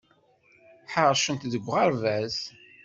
Ḥarcent deg uɣerbaz.